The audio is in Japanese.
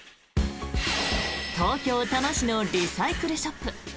東京・多摩市のリサイクルショップ。